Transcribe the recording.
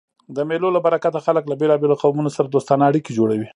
د مېلو له برکته خلک له بېلابېلو قومو سره دوستانه اړیکي جوړوي.